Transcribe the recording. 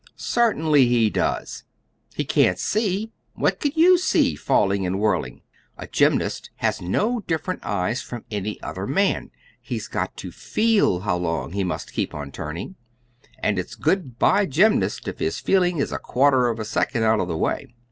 "Certainly he does. He can't see. What could you see, falling and whirling? A gymnast has no different eyes from any other man. He's got to feel how long he must keep on turning. And it's good by gymnast if his feeling is a quarter of a second out of the way."